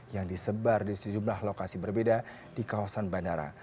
yang disebar di sejumlah lokasi berbeda di kawasan bandara